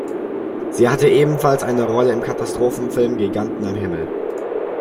Sie hatte ebenfalls eine Rolle im Katastrophenfilm "Giganten am Himmel".